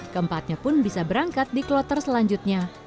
keempatnya pun bisa berangkat di kloter selanjutnya